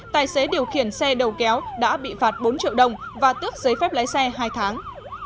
tài xế điều khiển xe đầu kéo đã bị phạt bốn triệu đồng và tước giấy phép lái xe hai tháng